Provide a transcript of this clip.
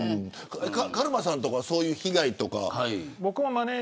カルマさんとかそういう被害とか。